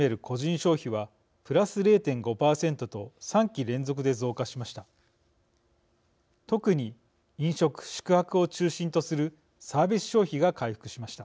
消費はプラス０．５％と３期連続で増加しました。